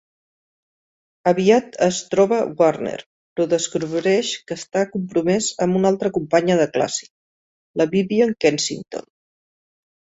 Aviat es troba Warner, però descobreix que està compromès amb una altra companya de classe, la Vivian Kensington.